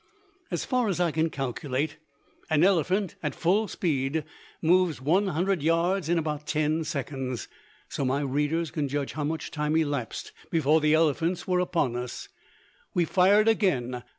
As far as I can calculate, an elephant at full speed moves 100 yards in about ten seconds, so my readers can judge how much time elapsed before the elephants were upon us. We fired again.